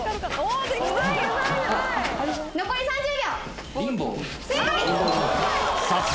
残り３０秒！